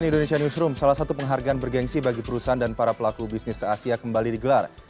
cnn indonesia newsroom salah satu penghargaan bergensi bagi perusahaan dan para pelaku bisnis se asia kembali digelar